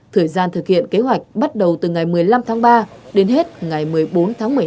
thời gian thực hiện kế hoạch bắt đầu từ ngày một mươi năm tháng ba đến hết ngày một mươi bốn tháng một mươi hai năm hai nghìn hai mươi hai